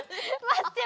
待って！